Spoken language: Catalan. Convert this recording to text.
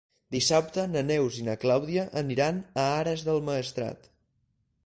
Dissabte na Neus i na Clàudia aniran a Ares del Maestrat.